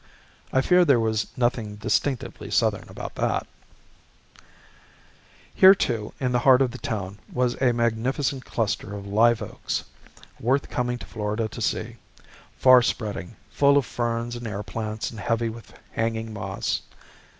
I fear there was nothing distinctively Southern about that. Here, too, in the heart of the town, was a magnificent cluster of live oaks, worth coming to Florida to see; far spreading, full of ferns and air plants, and heavy with hanging moss.